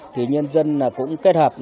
thì nhân dân cũng kết hợp